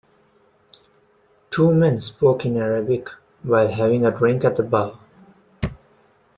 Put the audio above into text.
Two men spoke in Arabic while having a drink at the bar.